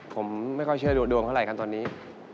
ผมไม่ค่อยเชื่อดวงเท่าไหร่กันตอนนี้